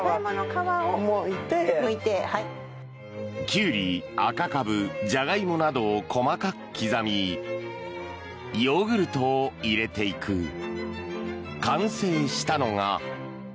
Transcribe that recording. キュウリ、赤カブジャガイモなどを細かく刻みヨーグルトを入れていく完成したのが。